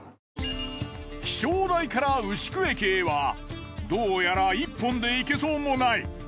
気象台から牛久駅へはどうやら１本で行けそうもない。